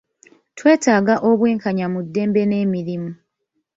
Twetaaga obw'enkanya mu ddembe n'emirimu.